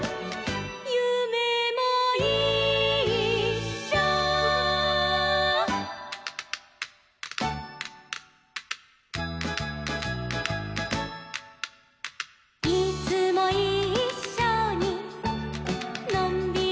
「ゆめもいっしょ」「いつもいっしょにのんびりいこうよ」